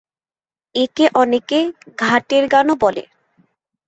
একে অনেকে 'ঘাটের গান'-ও বলে।